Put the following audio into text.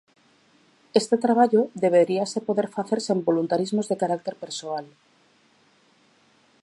Este traballo deberíase poder facer sen voluntarismos de carácter persoal.